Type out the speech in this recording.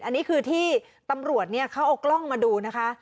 อันนี้คือที่ตำรวจเขาเอากล้องมาดูนะคะ